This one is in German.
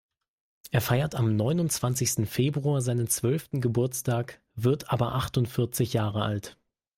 Er feiert am neunundzwanzigsten Februar seinen zwölften Geburtstag, wird aber achtundvierzig Jahre alt.